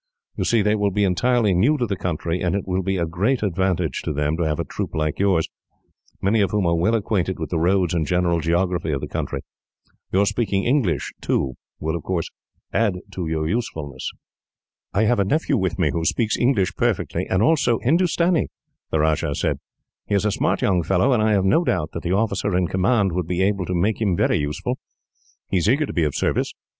You see, they will be entirely new to the country, and it will be a great advantage to them to have a troop like yours, many of whom are well acquainted with the roads and general geography of the country. Your speaking English, too, will add to your usefulness." "I have a nephew with me who speaks English perfectly, and also Hindustani," the Rajah said. "He is a smart young fellow, and I have no doubt that the officer in command would be able to make him very useful. He is eager to be of service.